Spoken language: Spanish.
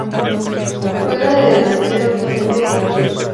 Juega de Delantero actualmente sin club